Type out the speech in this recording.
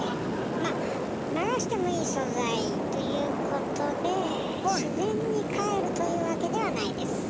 まあ「流してもいい素材」ということで「自然にかえる」というわけではないです。